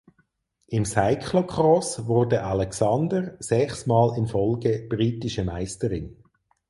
Im Cyclocross wurde Alexander sechsmal in Folge britische Meisterin.